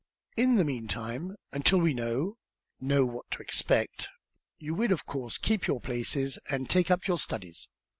In the meantime, until we know know what to expect, you will, of course, keep your places and take up your studies.